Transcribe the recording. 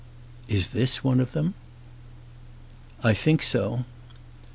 "Is this one of them?" "I think so."